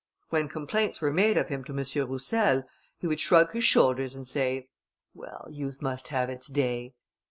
When complaints were made of him to M. Roussel, he would shrug his shoulders, and say, "Well, youth must have its day."